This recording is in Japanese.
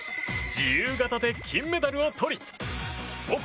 自由形で金メダルを取り母国